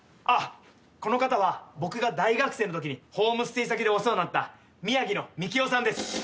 あっこの方は僕が大学生のときにホームステイ先でお世話になった宮城のみきおさんです。